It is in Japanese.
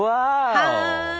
はい！